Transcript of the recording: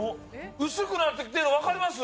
薄くなってきてるのわかります？